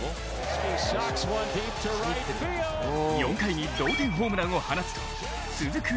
４回に同点ホームランを放つと続く